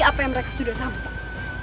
apa yang mereka sudah tampak